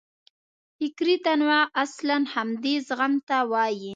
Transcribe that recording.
فکري تنوع اصلاً همدې زغم ته وایي.